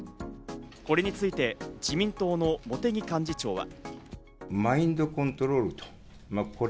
これについて自民党の茂木幹事長は。